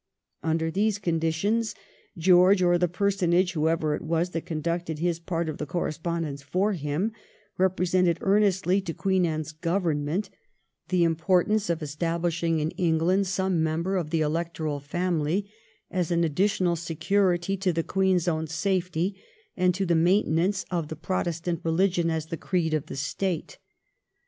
Under these conditions, George, or the personage whoever it was that conducted his part of the correspondence for him, represented earnestly to Queen Anne's Government the importance of estab lishing in England some member of the Electoral family as an additional security to the Queen's own safety, and to the maintenance of the Protestant reUgion as the creed of the State.